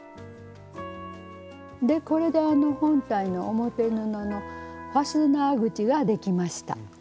でこれで本体の表布のファスナー口ができました。